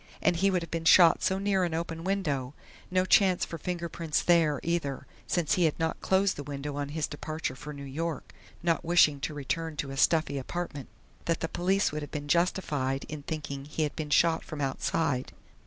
And he would have been shot so near an open window no chance for fingerprints there, either, since he had not closed the windows on his departure for New York, not wishing to return to a stuffy apartment that the police would have been justified in thinking he had been shot from outside.